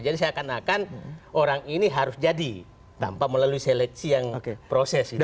jadi saya akan akan orang ini harus jadi tanpa melalui seleksi yang proses